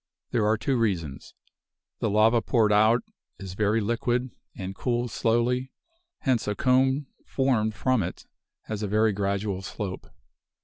There are two reasons: The lava poured out is very liquid, and cools slowly; hence a cone formed from it has a very gradual slope.